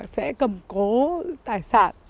sẽ cầm cố tài sản